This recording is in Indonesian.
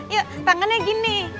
yuk tangannya gini